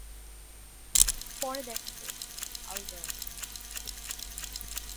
পরে দেখা করব, অ্যালবার্ট।